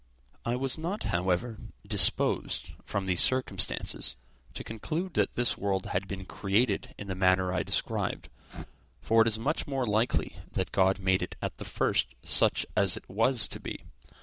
I was not, however, disposed, from these circumstances, to conclude that this world had been created in the manner I described; for it is much more likely that God made it at the first such as it was to be.